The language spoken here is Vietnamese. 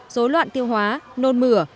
dối loạn tiêu hóa nôn mửa